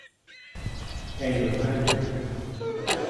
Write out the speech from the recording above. eizh ha tregont.